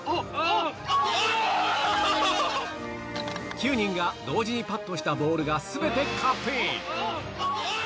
９人が同時にパットしたボールがすべてカップイン。